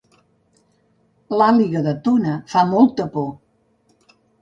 L'àliga de Tona fa molta por